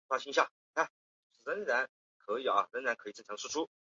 可在中横公路白沙桥附近远观白沙瀑布。